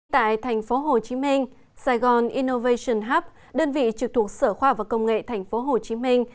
tại thành phố hồ chí minh sài gòn innovation hub đơn vị trực thuộc sở khoa và công nghệ thành phố hồ chí minh